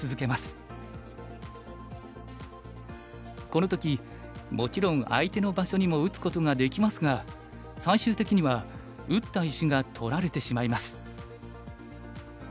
この時もちろん相手の場所にも打つことができますが最終的には打った石が取られてしまいます。